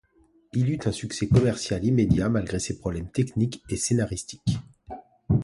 Il eut un succès commercial immédiat malgré ses problèmes techniques et scénaristiques.